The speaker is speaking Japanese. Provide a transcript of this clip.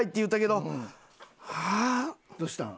どうしたん？